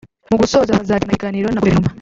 Mu gusoza bazagirana ibiganiro na Guverinoma